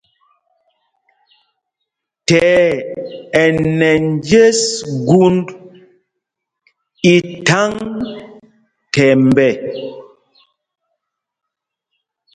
Thɛɛ ɛ nɛ njes gūnd i thaŋ thɛmbɛ.